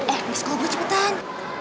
eh miss kalau gue cepetan